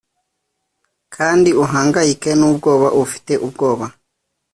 kandi uhangayike n'ubwoba ufite ubwoba,